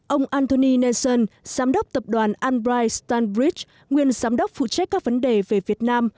ông anthony nelson giám đốc tập đoàn albright stanbridge nguyên giám đốc phụ trách các vấn đề về việt nam